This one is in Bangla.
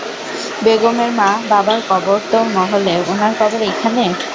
বেগমের মা, বাবার কবর, তো মহলে, উনার কবর এইখানে?